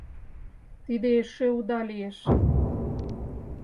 Тиде эше уда лиеш!